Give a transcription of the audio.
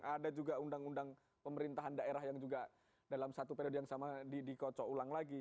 ada juga undang undang pemerintahan daerah yang juga dalam satu periode yang sama dikocok ulang lagi